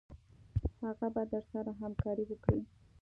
هغه به درسره همکاري وکړي.